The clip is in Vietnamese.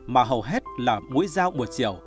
mà hầu hết là mũi dao một chiều